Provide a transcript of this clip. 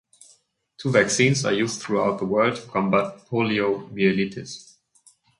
Two vaccines are used throughout the world to combat poliomyelitis.